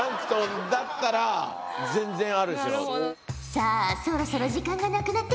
さあそろそろ時間がなくなってきたぞ。